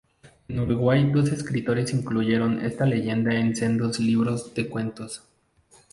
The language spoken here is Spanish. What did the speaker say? En Uruguay dos escritores incluyeron esta leyenda en sendos libros de cuentos.